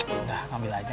enggak ambil aja